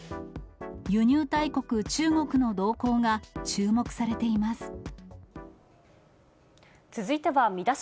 輸入大国、中国の動向が注目されています。